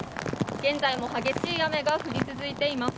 現在も激しい雨が降り続いています。